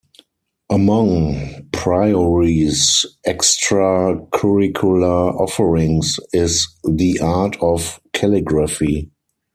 Among Priory's extracurricular offerings is the art of calligraphy.